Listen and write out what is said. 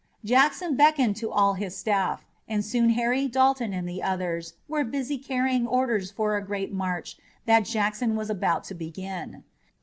Jackson beckoned to all his staff, and soon Harry, Dalton and the others were busy carrying orders for a great march that Jackson was about to begin.